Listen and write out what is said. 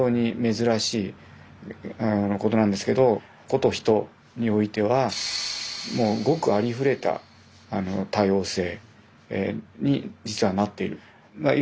ことヒトにおいてはもうごくありふれた多様性に実はなっている。